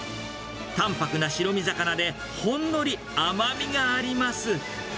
淡白な白身魚で、ほんのり甘みがあります。